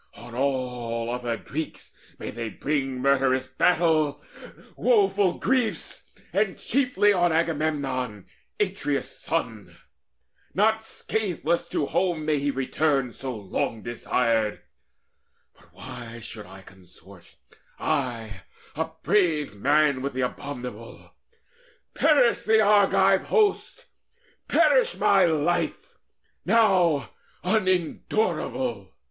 On all other Greeks May they bring murderous battle, woeful griefs, And chiefly on Agamemnon, Atreus' son! Not scatheless to the home may he return So long desired! But why should I consort, I, a brave man, with the abominable? Perish the Argive host, perish my life, Now unendurable!